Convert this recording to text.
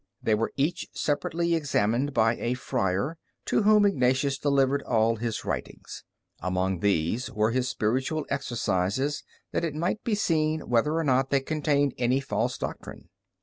They were each separately examined by a friar, to whom Ignatius delivered all his writings. Among these were his Spiritual Exercises, that it might be seen whether or not they contained any false doctrine.